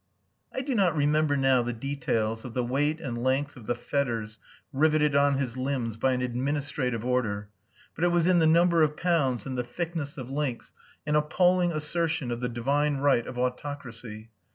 I do not remember now the details of the weight and length of the fetters riveted on his limbs by an "Administrative" order, but it was in the number of pounds and the thickness of links an appalling assertion of the divine right of autocracy.